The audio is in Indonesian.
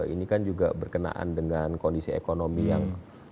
ini kan juga berkenaan dengan kondisi ekonomi yang